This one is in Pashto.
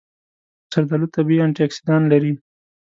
زردآلو طبیعي انټياکسیدان لري.